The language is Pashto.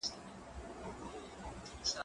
زه اجازه لرم چي لاس پرېولم.